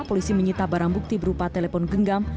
polisi menyita barang bukti berupa telepon genggam